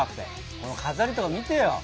この飾りとか見てよ。